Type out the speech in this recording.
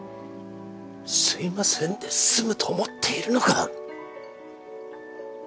すみませんで済むと思っているのか？